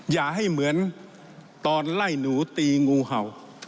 อย่าให้เหมือนตอนไล่หนูตีงูเห่า